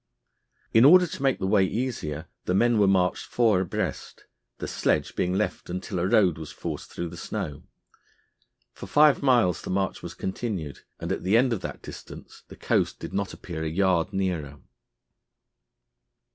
In order to make the way easier the men were marched four abreast, the sledge being left until a road was forced through the snow. For five miles the march was continued, and at the end of that distance the coast did not appear a yard nearer.